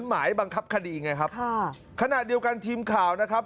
หมายบังคับคดีไงครับค่ะขณะเดียวกันทีมข่าวนะครับ